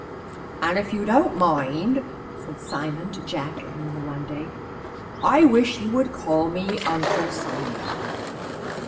"And if you don't mind," said Simon to Jack and Nina one day, "I wish you would call me Uncle Simon."